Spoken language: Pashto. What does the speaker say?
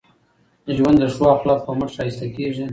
ژوند د ښو اخلاقو په مټ ښایسته کېږي.